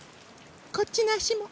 こっちのあしも。